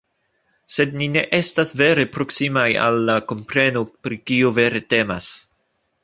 Sed ni ne estas vere proksimaj al la kompreno pri kio vere temas”.